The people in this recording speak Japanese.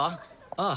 ああ。